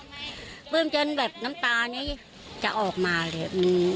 ชื่นใจมากขอบใจถึงต่าน้ำตานี่มันจะออกมาเลย